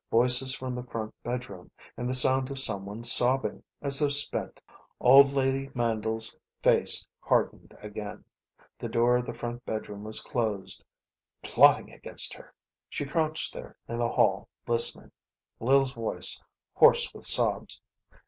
Voices from the front bedroom, and the sound of someone sobbing, as though spent. Old lady Mandle's face hardened again. The door of the front bedroom was closed. Plotting against her! She crouched there in the hall, listening. Lil's voice, hoarse with sobs.